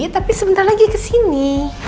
tapi sebentar lagi kesini